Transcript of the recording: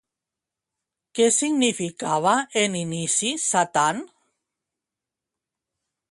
Què significava en inici Satan?